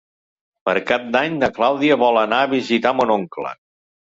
Per Cap d'Any na Clàudia vol anar a visitar mon oncle.